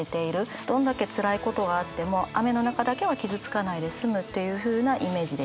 どんだけつらいことがあっても雨の中だけは傷つかないで済むっていうふうなイメージです。